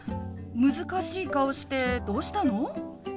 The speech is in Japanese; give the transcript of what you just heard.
難しい顔してどうしたの？